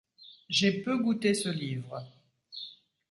J’ai peu goûté ce livre.